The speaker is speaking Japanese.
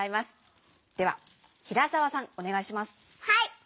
はい！